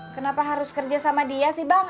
kenapa harus kerja sama dia sih bang